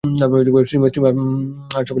শ্রীমা আজ সকালে নূতন মঠ দেখতে যাচ্ছেন।